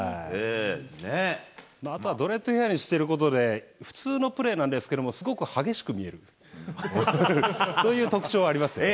あとはドレッドヘアにしてることで、普通のプレーなんですけども、すごく激しく見えるという特徴はありますね。